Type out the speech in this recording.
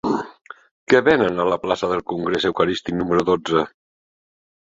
Què venen a la plaça del Congrés Eucarístic número dotze?